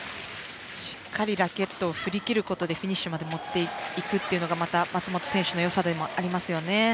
しっかりラケットを振り切ることでフィニッシュまで持っていくというのが松本選手の良さでもありますね。